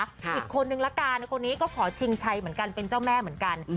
อีกคนนึงละกันคนนี้ก็ขอชิงชัยเหมือนกันเป็นเจ้าแม่เหมือนกัน